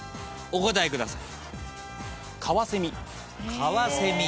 お答えください。